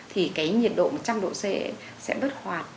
thì cái nhiệt độ một trăm linh độ c sẽ bất hoạt